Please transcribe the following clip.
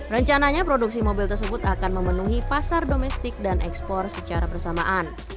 rencananya produksi mobil tersebut akan memenuhi pasar domestik dan ekspor secara bersamaan